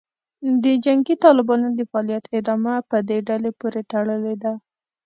د جنګي طالبانو د فعالیت ادامه په دې ډلې پورې تړلې ده